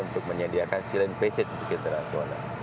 untuk menyediakan silin pesis untuk internasional